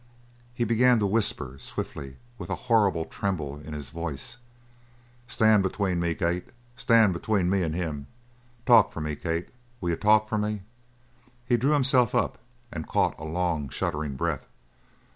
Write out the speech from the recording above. He began to whisper, swiftly, with a horrible tremble in his voice: "Stand between me, Kate. Stand between me and him. Talk for me, Kate. Will you talk for me?" He drew himself up and caught a long, shuddering breath.